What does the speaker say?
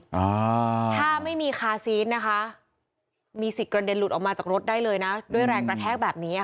ถ้าไม่มีคาร์ซีสมีสิทธิ์กระเด็นหลุดออกมาจากรถด้วยแรงประแทกแบบนี้